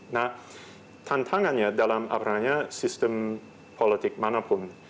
nah tantangannya dalam sistem politik mana pun